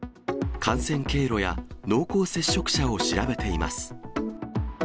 感染経路や濃厚接触者を調べています。